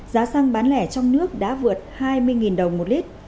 giá xăng bán lẻ trong nước đã vượt hai mươi đồng một lít